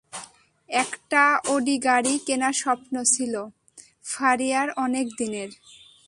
একটা অডি গাড়ি কেনার স্বপ্ন ছিল ফারিয়ার অনেক দিনের।